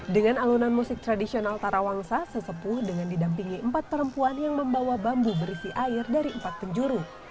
dengan alunan musik tradisional tarawangsa sesepuh dengan didampingi empat perempuan yang membawa bambu berisi air dari empat penjuru